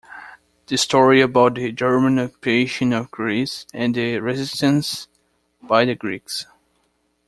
The story about the German occupation of Greece and the resistance by the Greeks.